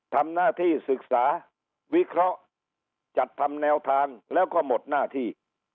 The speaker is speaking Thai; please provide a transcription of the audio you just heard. ทำหน้าที่ศึกษาวิเคราะห์จัดทำแนวทางแล้วก็หมดหน้าที่